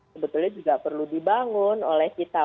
sebetulnya juga perlu dibangun oleh kita